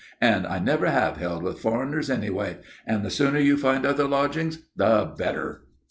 And I never have held with foreigners, anyway. And the sooner you find other lodgings, the better."